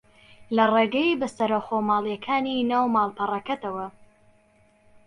لە ڕێگەی بەستەرە خۆماڵییەکانی ناو ماڵپەڕەکەتەوە